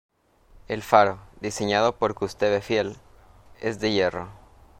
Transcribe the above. El faro, diseñado por Gustave Eiffel, es de hierro.